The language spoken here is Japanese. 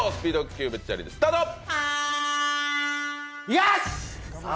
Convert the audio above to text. よし！